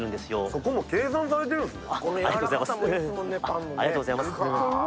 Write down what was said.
そこも計算されてるんですね。